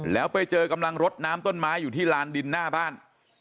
แล้วไปเจอกำลังรดน้ำต้นไม้อยู่ที่ลานดินหน้าบ้าน